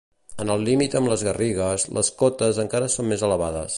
En el límit amb les Garrigues les cotes encara són elevades.